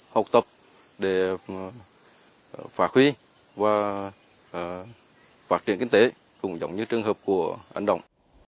học tập để phát huy và phát triển kinh tế cũng giống như trường hợp của anh đồng